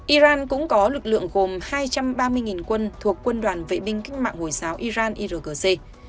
iran cũng có lực lượng gồm hai trăm ba mươi quân thuộc quân đoàn vệ binh cách mạng hồi giáo iran irgc